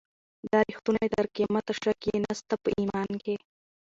دا ریښتونی تر قیامته شک یې نسته په ایمان کي